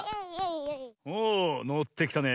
おおのってきたね。